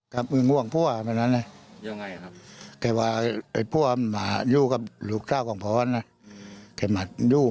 ไหนครับกลายว่าไอ้พ่อมายูกับหลูกท่าว่างผ่อนน่ะจะมายู